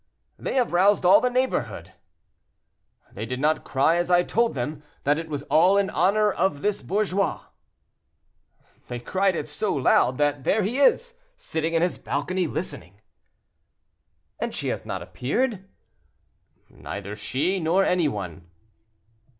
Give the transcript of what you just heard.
"They have roused all the neighborhood." "They did not cry as I told them, that it was all in honor of this bourgeois." "They cried it so loud, that there he is, sitting in his balcony, listening." "And she has not appeared?" "Neither she, nor any one."